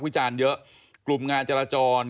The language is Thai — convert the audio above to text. ก็ต้องมาถึงจุดตรงนี้ก่อนใช่ไหม